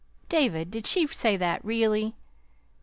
"David, did she say that really?"